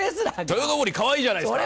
豊登かわいいじゃないですか。